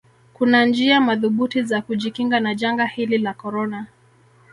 kunanjia madhubuti za kujikinga na janga hili la korona